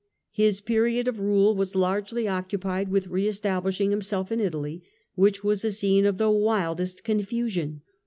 His period of rule was largely occupied with re establishing himself in Italy which was a scene of the wildest confusion.